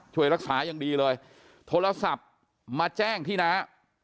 ช่วยรักษาอย่างดีเลยโทรศัพท์มาแจ้งที่น้า